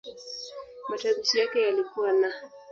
Matamshi yake yalikuwa "n".